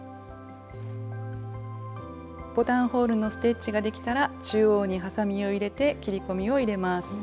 ボタンホールのステッチができたら中央にはさみを入れて切り込みを入れます。